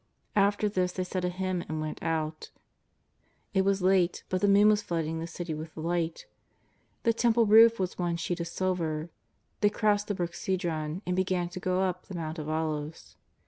After this they said a hymn and went out. It was late, but the moon was flooding the City with light. The Temple roof was one sheet of silver. They crossed the brook Cedron, and began to go up the Mount of Olives.